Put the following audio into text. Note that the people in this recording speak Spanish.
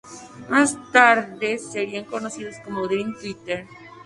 Más tarde serían conocidos como Dream Theater.